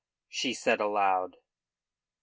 she said aloud.